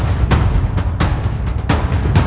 ตอนที่สุดมันกลายเป็นสิ่งที่ไม่มีความคิดว่า